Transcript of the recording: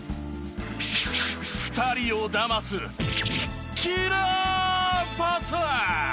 ２人をだますキラーパス。